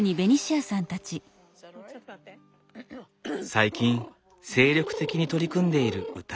最近精力的に取り組んでいる歌。